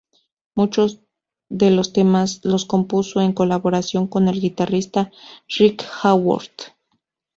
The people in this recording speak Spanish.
Muchos de los temas los compuso en colaboración con el guitarrista Rick Haworth.